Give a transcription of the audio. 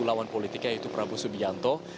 lawan politiknya yaitu prabowo subianto